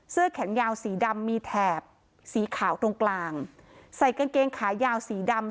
เสื้อแขนยาวสีดำมีแถบสีขาวตรงกลางใส่กางเกงขายาวสีดำ